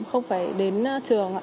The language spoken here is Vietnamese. không phải đến trường